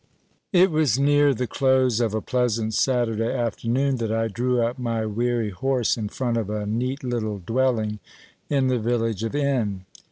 It was near the close of a pleasant Saturday afternoon that I drew up my weary horse in front of a neat little dwelling in the village of N.